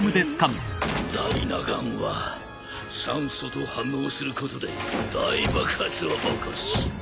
ダイナ岩は酸素と反応することで大爆発を起こす。